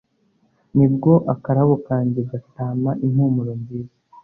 ni bwo akarabo kanjye gatama impumuro nziza,